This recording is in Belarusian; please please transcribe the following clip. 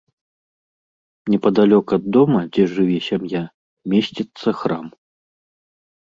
Непадалёк ад дома, дзе жыве сям'я, месціцца храм.